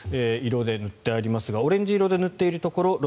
色で塗っていますがオレンジ色で塗っているところ